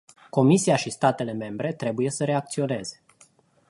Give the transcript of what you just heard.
Comisia și statele membre trebuie să reacționeze.